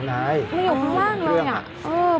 มันอยู่ข้างล่างเลยอ่ะ